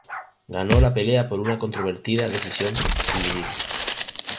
Ganó la pelea por una controvertida decisión dividida.